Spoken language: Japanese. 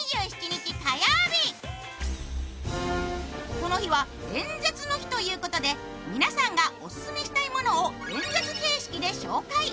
この日は演説の日ということで皆さんがおすすめしたいことを演説形式で公開。